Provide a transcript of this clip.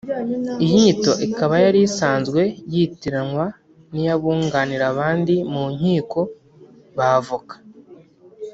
Iyi nyito ikaba yari isanzwe yitiranywa n’iy’abunganira abandi mu nkiko (ba avoka)